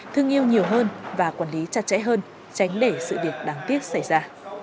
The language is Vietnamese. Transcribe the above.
thương yêu nhiều hơn và quản lý chặt chẽ hơn tránh để sự việc đáng tiếc xảy ra